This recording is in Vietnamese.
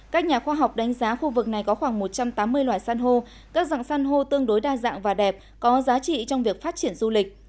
các nhà khoa học đánh giá khu vực này có khoảng một trăm tám mươi loài san hô các dạng san hô tương đối đa dạng và đẹp có giá trị trong việc phát triển du lịch